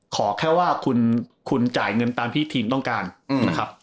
ขอแค่ว่าคุณจ่ายเงินตามที่ทีมต้องการนะครับ